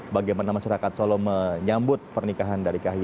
bagaimana masyarakat solo menyambut pernikahan dari kahiyang